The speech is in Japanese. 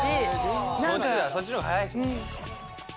そっちの方が早いですもんね。